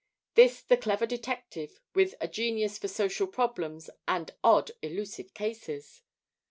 This the clever detective, with a genius for social problems and odd elusive cases!